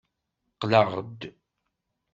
Qqleɣ-d.